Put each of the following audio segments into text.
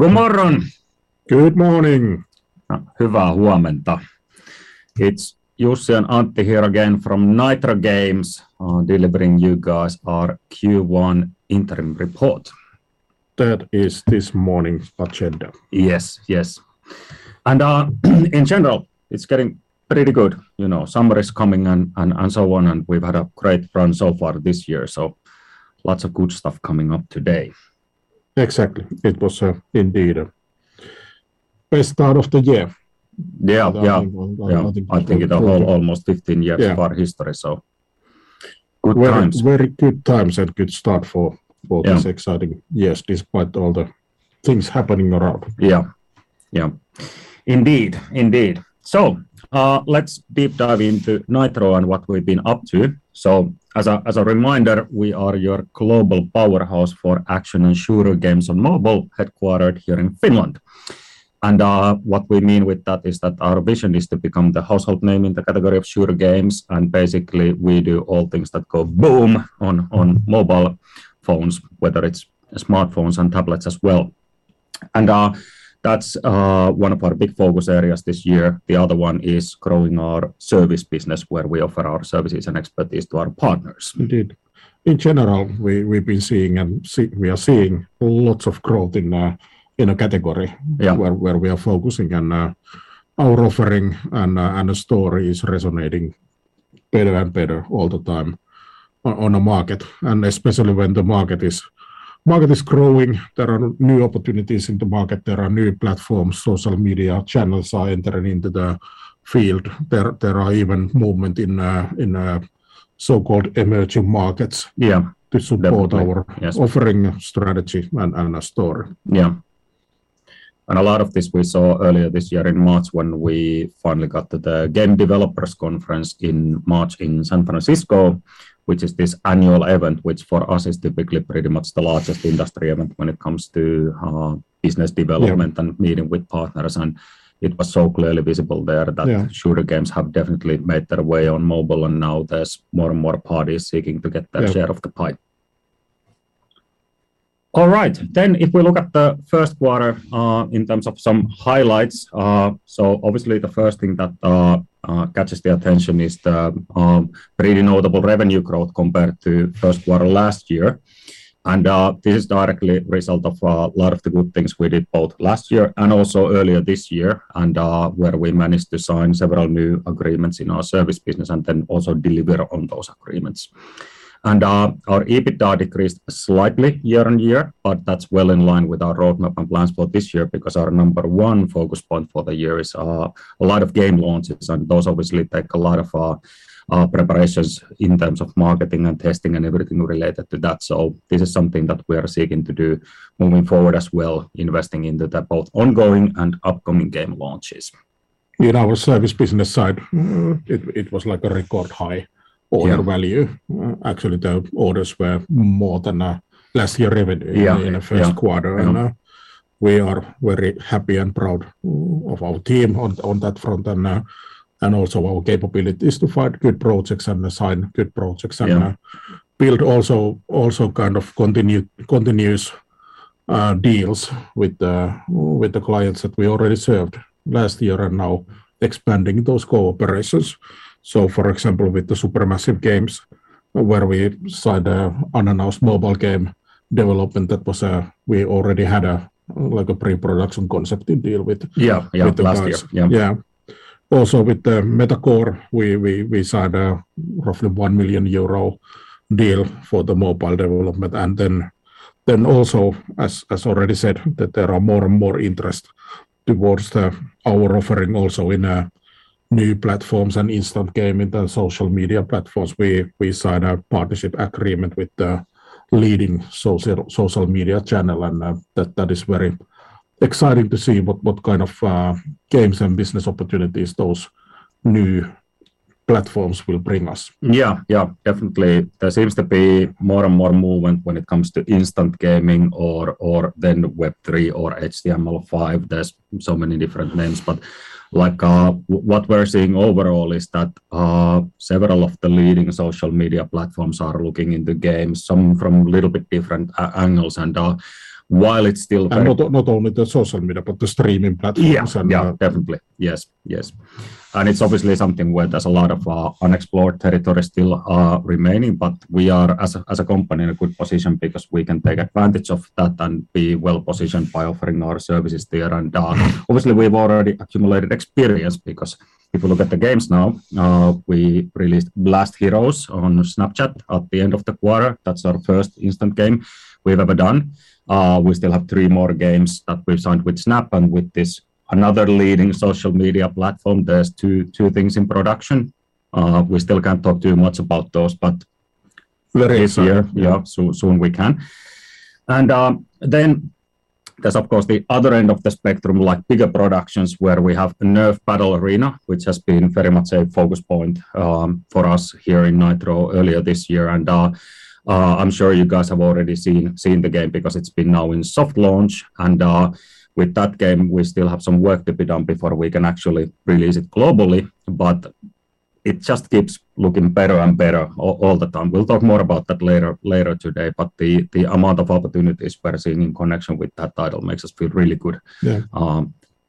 Good morning. Good morning. Hyvää huomenta. It's Jussi and Antti here again from Nitro Games, delivering you guys our Q1 interim report. That is this morning's agenda. Yes. Yes. In general, it's getting pretty good, you know. Summer is coming and so on, and we've had a great run so far this year, so lots of good stuff coming up today. Exactly. It was indeed best start of the year. Yeah. Yeah. I think. I think in the whole almost 15 years. Yeah of our history, so good times. Very, very good times and good start for. Yeah For this exciting year despite all the things happening around. Yeah. Indeed. Let's deep dive into Nitro and what we've been up to. As a reminder, we are your global powerhouse for action and shooter games on mobile, headquartered here in Finland. What we mean with that is that our vision is to become the household name in the category of shooter games, and basically, we do all things that go boom on mobile phones, whether it's smartphones and tablets as well. That's one of our big focus areas this year. The other one is growing our service business where we offer our services and expertise to our partners. Indeed. In general, we are seeing lots of growth in a category. Yeah... where we are focusing, and our offering and the story is resonating better and better all the time on the market, and especially when the market is growing. There are new opportunities in the market. There are new platforms, social media channels are entering into the field. There are even movement in so-called emerging markets- Yeah to support Definitely. Yes. our offering strategy and story. Yeah. A lot of this we saw earlier this year in March when we finally got to the Game Developers Conference in March in San Francisco, which is this annual event, which for us is typically pretty much the largest industry event when it comes to business development. Yeah Meeting with partners, and it was so clearly visible there that. Yeah Shooter games have definitely made their way on mobile, and now there's more and more parties seeking to get their Yeah... share of the pie. All right. If we look at the first quarter, in terms of some highlights, so obviously the first thing that catches the attention is the pretty notable revenue growth compared to first quarter last year. This is a direct result of a lot of the good things we did both last year and also earlier this year and where we managed to sign several new agreements in our service business and then also deliver on those agreements. Our EBITDA decreased slightly year-on-year, but that's well in line with our roadmap and plans for this year because our number one focus point for the year is a lot of game launches, and those obviously take a lot of preparations in terms of marketing and testing and everything related to that. This is something that we are seeking to do moving forward as well, investing into the both ongoing and upcoming game launches. In our service business side. It was like a record high order Yeah value. Actually, the orders were more than last year revenue- Yeah. Yeah in the first quarter. Yeah. We are very happy and proud of our team on that front and also our capabilities to find good projects and assign good projects and Yeah... build also kind of continuing deals with the clients that we already served last year and now expanding those cooperations. For example, with the Supermassive Games, where we signed an unannounced mobile game development that we already had a, like, a pre-production concept and deal with- Yeah. Yeah with the guys. Last year. Yeah. Yeah. Also with the Metacore, we signed a roughly 1 million euro deal for the mobile development. Also as already said, there are more and more interest towards our offering also in new platforms and instant gaming and social media platforms. We signed a partnership agreement with the leading social media channel, and that is very exciting to see what kind of games and business opportunities those new platforms will bring us. Yeah. Yeah. Definitely. There seems to be more and more movement when it comes to instant gaming or then Web3 or HTML5. There's so many different names. But like, what we're seeing overall is that several of the leading social media platforms are looking into games, some from little bit different angles. While it's still very- Not only the social media, but the streaming platforms and the- Yeah. Definitely. Yes. It's obviously something where there's a lot of unexplored territory still remaining, but we are as a company in a good position because we can take advantage of that and be well-positioned by offering our services there. Obviously we've already accumulated experience because if you look at the games now, we released Blast Heroes on Snapchat at the end of the quarter. That's our first instant game we've ever done. We still have three more games that we've signed with Snap and with this another leading social media platform. There's two things in production. We still can't talk too much about those, but Later this year. Yeah. Soon we can. Then there's of course the other end of the spectrum, like bigger productions where we have NERF: Battle Arena, which has been very much a focus point for us here in Nitro earlier this year. I'm sure you guys have already seen the game because it's been now in soft launch. With that game, we still have some work to be done before we can actually release it globally. It just keeps looking better and better all the time. We'll talk more about that later today, but the amount of opportunities we're seeing in connection with that title makes us feel really good. Yeah...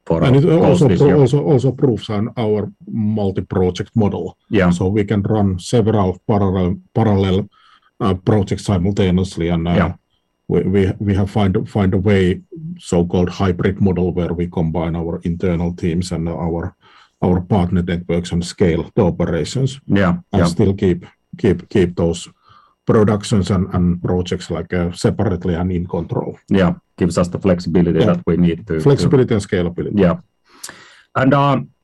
for our business year. It also proves out our multi-project model. Yeah. We can run several parallel projects simultaneously and Yeah We have find a way so-called hybrid model where we combine our internal teams and our partner networks and scale the operations. Yeah, yeah. Still keep those productions and projects like separately and in control. Yeah. Gives us the flexibility. Yeah that we need to Flexibility and scalability. Yeah.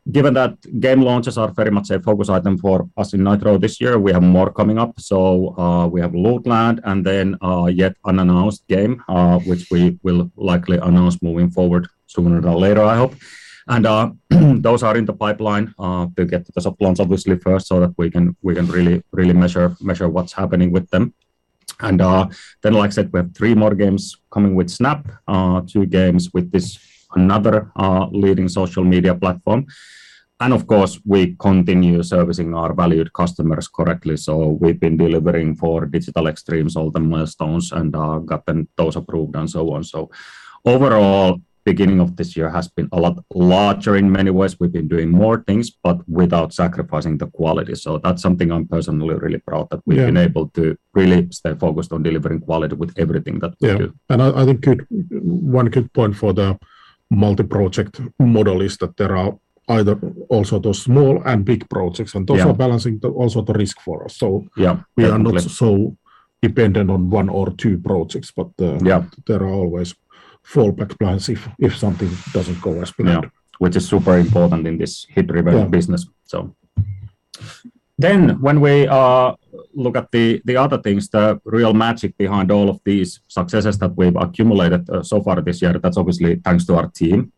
Given that game launches are very much a focus item for us in Nitro this year, we have more coming up. We have Lootland and then yet unannounced game, which we will likely announce moving forward sooner than later, I hope. Those are in the pipeline to get the soft launch obviously first so that we can really measure what's happening with them. Then like I said, we have three more games coming with Snap, two games with this another leading social media platform. Of course, we continue servicing our valued customers correctly. We've been delivering for Digital Extremes all the milestones and gotten those approved and so on. Overall, beginning of this year has been a lot larger in many ways. We've been doing more things, but without sacrificing the quality. That's something I'm personally really proud that we- Yeah We have been able to really stay focused on delivering quality with everything that we do. Yeah. I think one good point for the multi-project model is that there are either also those small and big projects. Yeah those are balancing the also the risk for us. Yeah. Definitely. We are not so dependent on one or two projects, but Yeah There are always fallback plans if something doesn't go as planned. Yeah. Which is super important in this hit-driven Yeah... business. When we look at the other things, the real magic behind all of these successes that we've accumulated so far this year, that's obviously thanks to our team.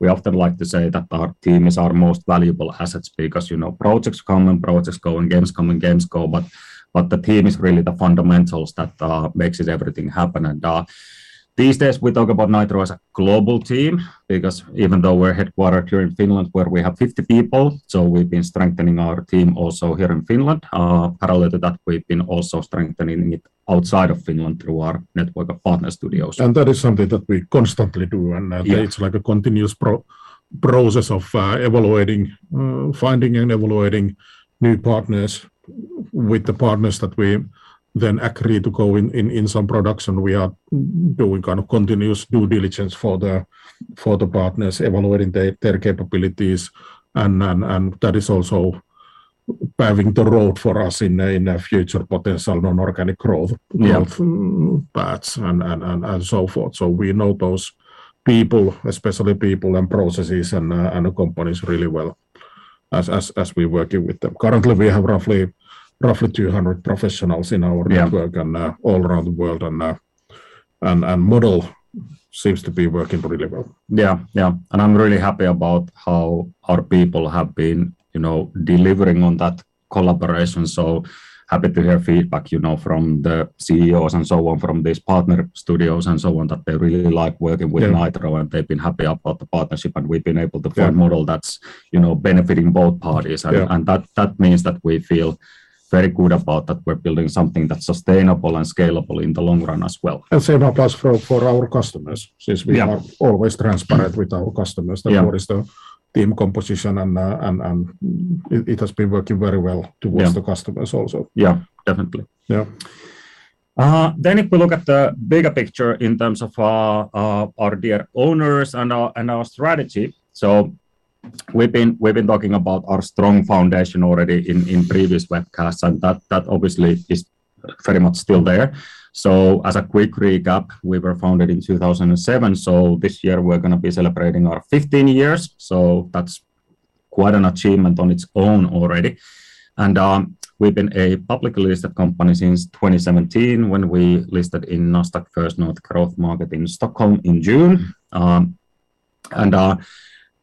We often like to say that our team is our most valuable assets because, you know, projects come and projects go, and games come and games go, but the team is really the fundamentals that makes everything happen. These days we talk about Nitro as a global team because even though we're headquartered here in Finland where we have 50 people, we've been strengthening our team also here in Finland. Parallel to that, we've been also strengthening it outside of Finland through our network of partner studios. That is something that we constantly do. Yeah It's like a continuous process of evaluating, finding and evaluating new partners. With the partners that we then agree to go in some production, we are doing kind of continuous due diligence for the partners, evaluating their capabilities. That is also paving the road for us in a future potential non-organic growth. Yeah paths and so forth. We know those people, especially people and processes and companies really well as we're working with them. Currently, we have roughly 200 professionals in our- Yeah network and all around the world, and model seems to be working really well. Yeah. Yeah. I'm really happy about how our people have been, you know, delivering on that collaboration. Happy to hear feedback, you know, from the CEOs and so on, from these partner studios and so on, that they really like working with Nitro- Yeah They've been happy about the partnership, and we've been able to build- Yeah A model that's, you know, benefiting both parties. Yeah. That means that we feel very good about that we're building something that's sustainable and scalable in the long run as well. Same applies for our customers, since we Yeah We are always transparent with our customers. Yeah about what is the team composition and it has been working very well. Yeah Toward the customers also. Yeah. Definitely. Yeah. If we look at the bigger picture in terms of our dear owners and our strategy, we've been talking about our strong foundation already in previous webcasts, and that obviously is very much still there. As a quick recap, we were founded in 2007. This year we're gonna be celebrating our 15 years, so that's quite an achievement on its own already. We've been a publicly listed company since 2017 when we listed in Nasdaq First North Growth Market in Stockholm in June. Our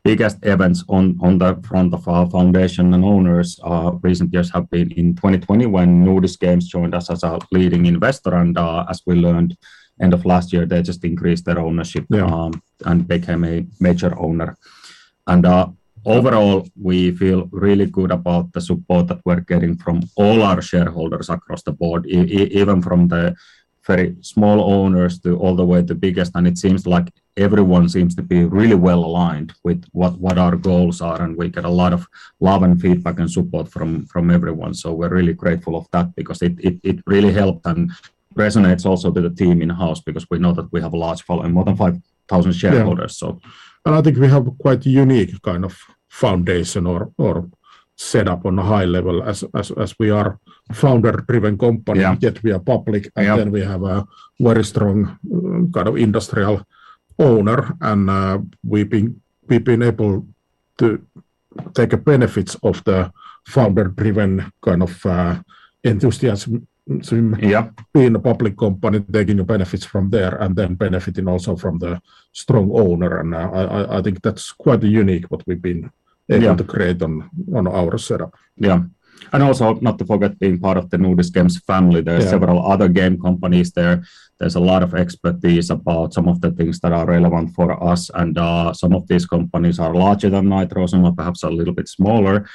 biggest events on the front of our foundation and owners in recent years have been in 2020 when Nordisk Games joined us as our leading investor. As we learned at the end of last year, they just increased their ownership- Yeah became a major owner. Overall, we feel really good about the support that we're getting from all our shareholders across the board, even from the very small owners to all the way to biggest. It seems like everyone seems to be really well aligned with what our goals are, and we get a lot of love and feedback and support from everyone. We're really grateful of that because it really helped and resonates also with the team in-house because we know that we have a large following, more than 5,000 shareholders. Yeah. So. I think we have quite a unique kind of foundation or setup on a high level as we are a founder-driven company. Yeah Yet we are public. Yeah. We have a very strong kind of industrial owner, and we've been able to take benefits of the founder-driven kind of enthusiasm. Yeah... being a public company, taking the benefits from there, and then benefiting also from the strong owner. I think that's quite unique what we've been able to create on our setup. Yeah. Not to forget being part of the Nordisk Games family. Yeah. There are several other game companies there. There's a lot of expertise about some of the things that are relevant for us, and, some of these companies are larger than Nitro, some are perhaps a little bit smaller.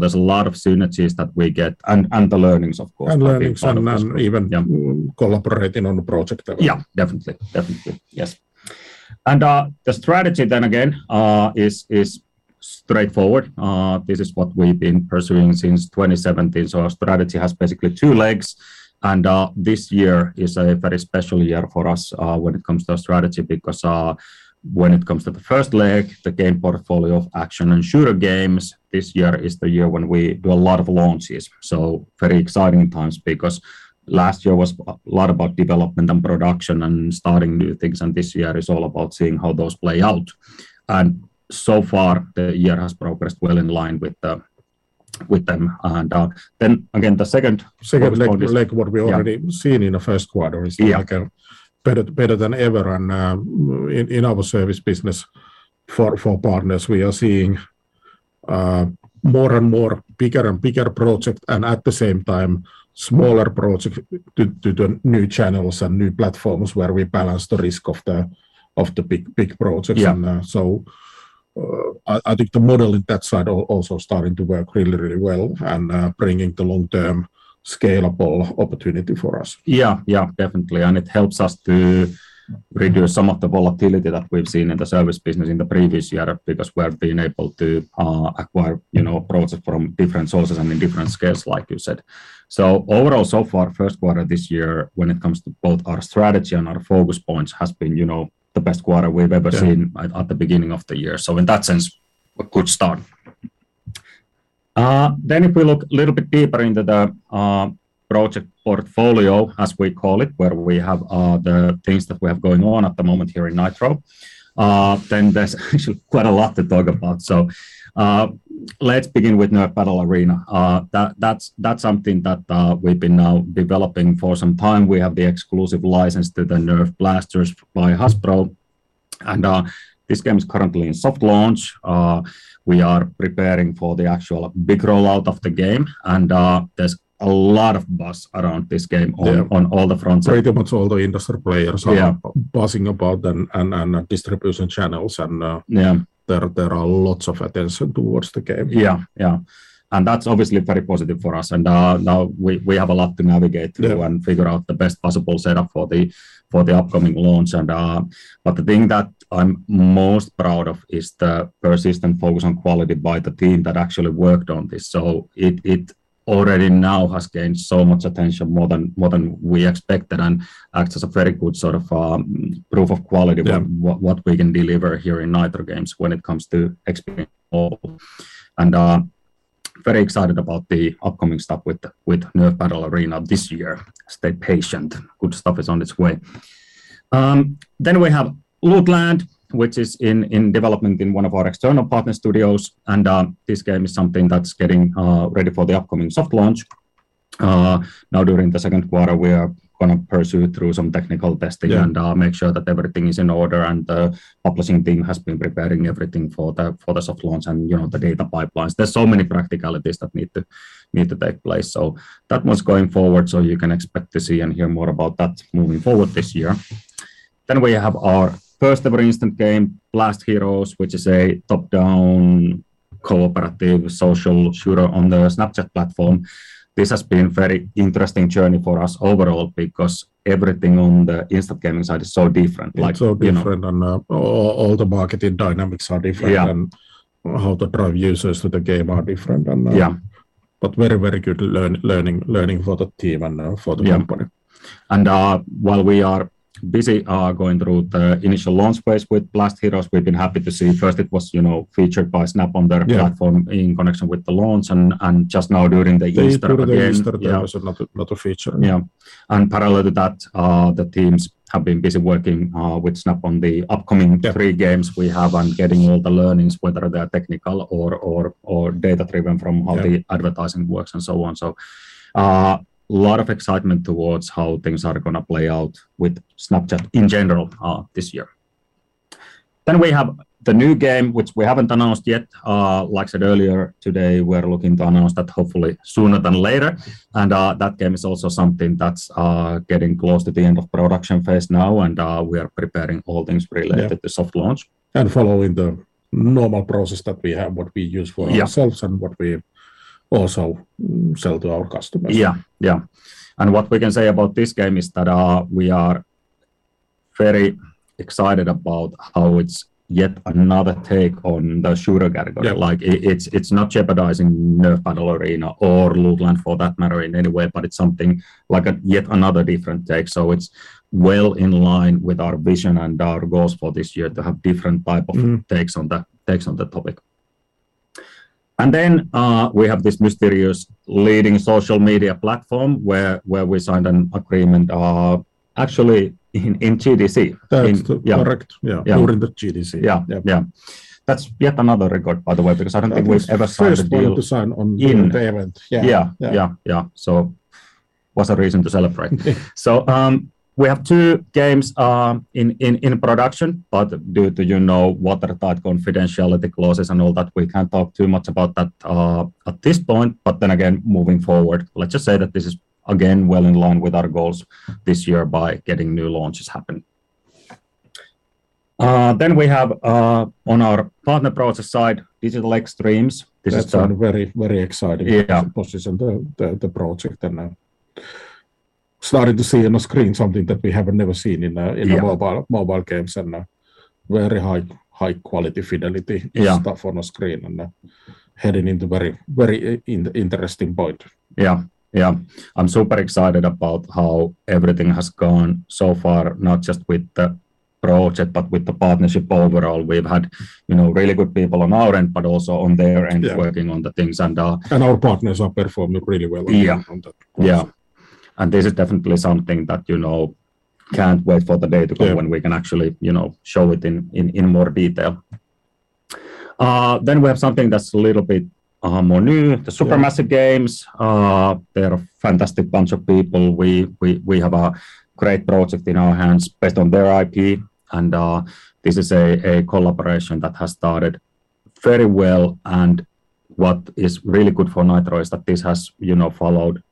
There's a lot of synergies that we get and the learnings, of course. and even Yeah collaborating on a project. Yeah, definitely. Yes. The strategy then again is straightforward. This is what we've been pursuing since 2017. Our strategy has basically two legs, and this year is a very special year for us when it comes to strategy because when it comes to the first leg, the game portfolio of action and shooter games, this year is the year when we do a lot of launches. Very exciting times because last year was a lot about development and production and starting new things, and this year is all about seeing how those play out. So far, the year has progressed well in line with them. Then again, the second- Second leg, what we already seen in the first quarter is. Yeah like, better than ever. In our service business for partners, we are seeing more and more bigger and bigger projects, and at the same time, smaller projects to the new channels and new platforms where we balance the risk of the big projects. Yeah. I think the model in that side also starting to work really, really well and bringing the long-term scalable opportunity for us. Yeah. Yeah, definitely. It helps us to reduce some of the volatility that we've seen in the service business in the previous year because we've been able to acquire, you know, project from different sources and in different scales like you said. Overall, so far, first quarter this year when it comes to both our strategy and our focus points has been, you know, the best quarter we've ever seen. Yeah At the beginning of the year. In that sense, a good start. If we look a little bit deeper into the project portfolio, as we call it, where we have the things that we have going on at the moment here in Nitro, then there's actually quite a lot to talk about. Let's begin with NERF: Battle Arena. That's something that we've been now developing for some time. We have the exclusive license to the NERF Blasters by Hasbro, and this game is currently in soft launch. We are preparing for the actual big rollout of the game, and there's a lot of buzz around this game. Yeah on all the fronts. Pretty much all the industry players are. Yeah buzzing about and distribution channels and Yeah There are lots of attention towards the game. Yeah. Yeah. That's obviously very positive for us. Now we have a lot to navigate- Yeah through and figure out the best possible setup for the upcoming launch. The thing that I'm most proud of is the persistent focus on quality by the team that actually worked on this. It already now has gained so much attention more than we expected and acts as a very good sort of proof of quality. Yeah... what we can deliver here in Nitro Games when it comes to experience. Very excited about the upcoming stuff with NERF: Battle Arena this year. Stay patient. Good stuff is on its way. We have Lootland, which is in development in one of our external partner studios. This game is something that's getting ready for the upcoming soft launch. Now during the second quarter, we are gonna pursue through some technical testing- Yeah make sure that everything is in order, and the publishing team has been preparing everything for the soft launch and, you know, the data pipelines. There's so many practicalities that need to take place. That one's going forward, so you can expect to see and hear more about that moving forward this year. We have our first-ever instant game, Blast Heroes, which is a top-down cooperative social shooter on the Snapchat platform. This has been very interesting journey for us overall because everything on the instant gaming side is so different. It's so different. you know? All the marketing dynamics are different. Yeah How to drive users to the game are different. Yeah Very, very good learning for the team and for the company. Yeah. While we are busy going through the initial launch phase with Blast Heroes, we've been happy to see first it was, you know, featured by Snap on their- Yeah platform in connection with the launch and just now during the Easter again. During the Easter, there was a lot of feature. Parallel to that, the teams have been busy working with Snap on the upcoming- Yeah three games we have and getting all the learnings, whether they are technical or data-driven from how the Yeah advertising works and so on. A lot of excitement towards how things are gonna play out with Snapchat in general, this year. We have the new game, which we haven't announced yet. Like I said earlier today, we're looking to announce that hopefully sooner than later, and that game is also something that's getting close to the end of production phase now, and we are preparing all things related- Yeah to soft launch. Following the normal process that we have, what we use for ourselves. Yeah What we also sell to our customers. Yeah. What we can say about this game is that we are very excited about how it's yet another take on the shooter category. Yeah. Like, it's not jeopardizing NERF: Battle Arena or Lootland for that matter in any way, but it's something like a yet another different take. It's well in line with our vision and our goals for this year to have different type of- takes on the topic. We have this mysterious leading social media platform where we signed an agreement, actually in GDC. That's the- Yeah Correct. Yeah. During the GDC. Yeah. Yeah. Yeah. That's yet another record, by the way, because I don't think we've ever signed a deal. First one to sign on in the event.... in- Yeah. Yeah. Was a reason to celebrate. We have two games in production, but due to you know, water-tight confidentiality clauses and all that, we can't talk too much about that at this point. Again, moving forward, let's just say that this is again well in line with our goals this year by getting new launches happen. We have on our partner projects side, Digital Extremes. This That's gone very, very exciting. Yeah position the project and starting to see on the screen something that we have never seen in a Yeah... in mobile games, and very high-quality fidelity. Yeah Stuff on the screen, heading into very, very interesting point. Yeah, yeah. I'm super excited about how everything has gone so far, not just with the project, but with the partnership overall. We've had, you know, really good people on our end, but also on their end. Yeah working on the things and Our partners are performing really well. Yeah on that project. Yeah. This is definitely something that, you know, can't wait for the day to come. Yeah... when we can actually, you know, show it in more detail. Then we have something that's a little bit more new. Yeah. The Supermassive Games, they're a fantastic bunch of people. We have a great project in our hands based on their IP, and this is a collaboration that has started very well, and what is really good for Nitro is that this has, you know, followed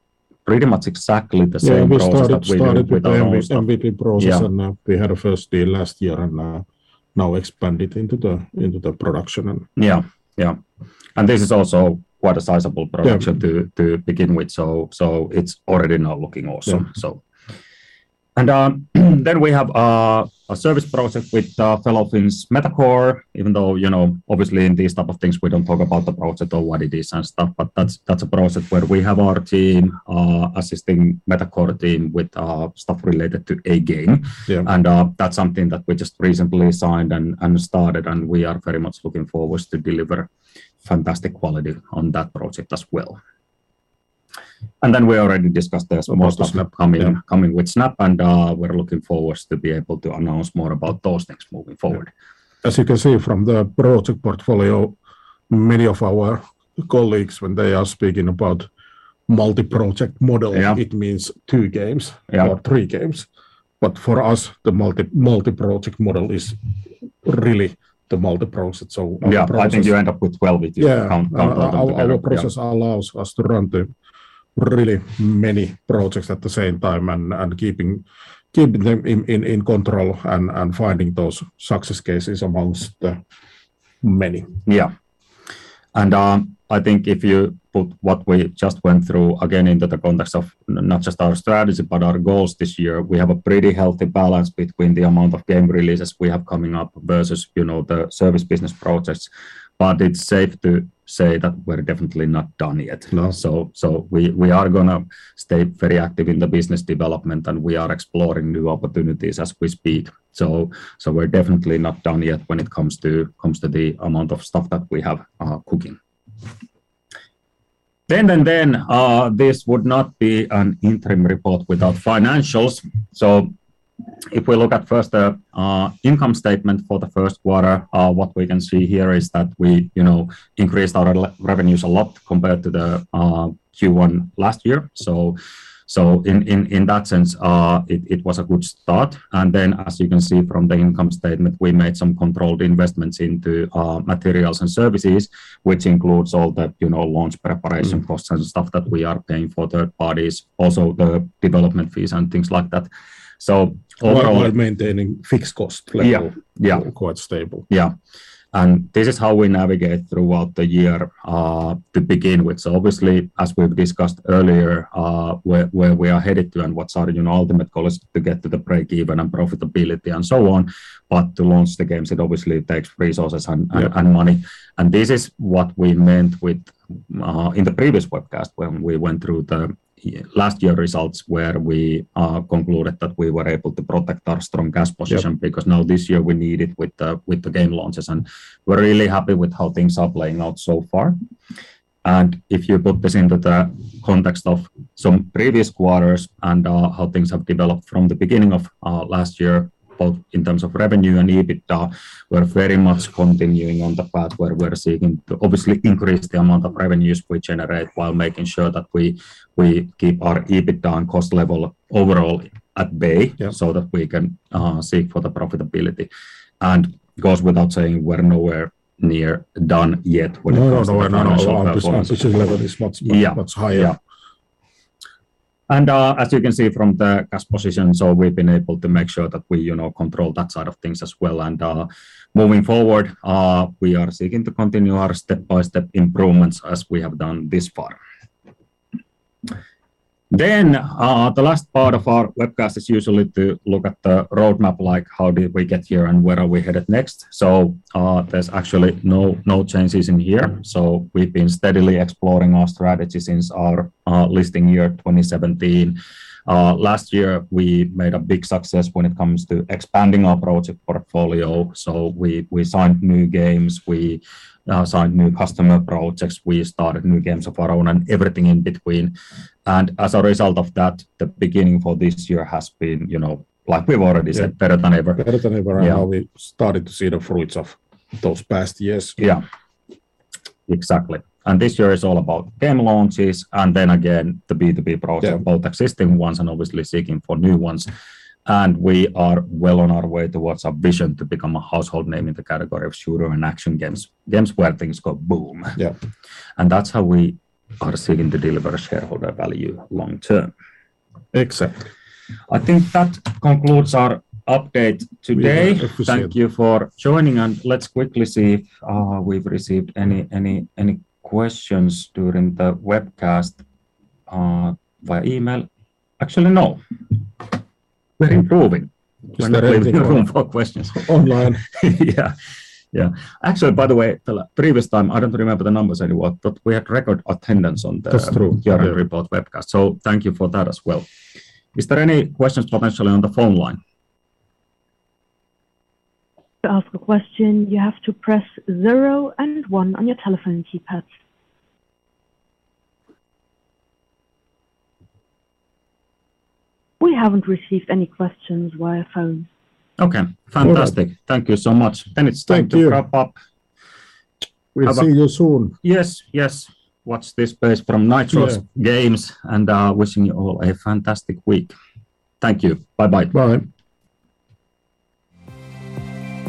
pretty much exactly the same- Yeah goals that we had with our own stuff. Started with the MVP process. Yeah. We had our first deal last year, and now expand it into the production and Yeah, yeah. This is also quite a sizable production. Yeah To begin with, so it's already now looking awesome. Yeah. We have a service project with fellow Finnish Metacore, even though, you know, obviously in these type of things we don't talk about the project or what it is and stuff, but that's a project where we have our team assisting Metacore team with stuff related to a game. Yeah. That's something that we just recently signed and started, and we are very much looking forward to deliver fantastic quality on that project as well. We already discussed this. Most of them coming Coming with Snap, and we're looking forward to be able to announce more about those things moving forward. As you can see from the project portfolio, many of our colleagues when they are speaking about multi-project model. Yeah It means two games. Yeah or three games, but for us, the multi-project model is really the multi-project. Yeah our process. I think you end up with 12 if you. Yeah Count all them together. Our process allows us to run the really many projects at the same time and keeping them in control and finding those success cases amongst the many. I think if you put what we just went through again into the context of not just our strategy but our goals this year, we have a pretty healthy balance between the amount of game releases we have coming up versus, you know, the service business projects. It's safe to say that we're definitely not done yet. No. We are gonna stay very active in the business development, and we are exploring new opportunities as we speak. We're definitely not done yet when it comes to the amount of stuff that we have cooking. This would not be an interim report without financials. If we look first at the income statement for the first quarter, what we can see here is that we, you know, increased our revenues a lot compared to the Q1 last year. In that sense, it was a good start. As you can see from the income statement, we made some controlled investments into materials and services, which includes all the, you know, launch preparation. costs and stuff that we are paying for third parties, also the development fees and things like that. Overall While maintaining fixed cost level. Yeah, yeah Quite stable. Yeah. This is how we navigate throughout the year, to begin with. Obviously, as we've discussed earlier, where we are headed to and what's our, you know, ultimate goal is to get to the break-even and profitability and so on. To launch the games, it obviously takes resources and money. Yeah. This is what we meant with in the previous webcast when we went through the last year results where we concluded that we were able to protect our strong cash position. Yep because now this year we need it with the game launches. We're really happy with how things are playing out so far. If you put this into the context of some previous quarters and how things have developed from the beginning of last year, both in terms of revenue and EBITDA, we're very much continuing on the path where we're seeking to obviously increase the amount of revenues we generate while making sure that we keep our EBITDA and cost level overall at bay. Yeah so that we can seek for the profitability. It goes without saying we're nowhere near done yet when it comes to No. our financial performance. This level is much higher. Yeah. As you can see from the cash position, we've been able to make sure that we, you know, control that side of things as well. Moving forward, we are seeking to continue our step-by-step improvements as we have done this far. The last part of our webcast is usually to look at the roadmap, like how did we get here and where are we headed next. There's actually no changes in here. We've been steadily exploring our strategy since our listing year, 2017. Last year we made a big success when it comes to expanding our project portfolio, so we signed new games, we signed new customer projects, we started new games of our own, and everything in between. As a result of that, the beginning for this year has been, you know, like we've already said- Yeah better than ever. Better than ever. Yeah. Now we've started to see the fruits of those past years. Yeah. Exactly. This year is all about game launches and then again the B2B projects. Yeah both existing ones and obviously seeking for new ones. We are well on our way towards our vision to become a household name in the category of shooter and action games where things go boom. Yeah. That's how we are seeking to deliver shareholder value long term. Exactly. I think that concludes our update today. Yeah. Appreciate it. Thank you for joining, and let's quickly see if we've received any questions during the webcast via email. Actually, no. We're improving. Just everything. We're not leaving room for questions. Online. Yeah. Actually, by the way, the previous time, I don't remember the numbers anymore, but we had record attendance on the- That's true, yeah. Quarterly report webcast, so thank you for that as well. Is there any questions potentially on the phone line? To ask a question, you have to press zero and one on your telephone keypad. We haven't received any questions via phone. Okay. Fantastic. All right. Thank you so much. It's time to- Thank you. wrap up. We'll see you soon. Yes, yes. Watch this space from Nitro Games. Yeah Nitro Games, wishing you all a fantastic week. Thank you. Bye-bye. Bye.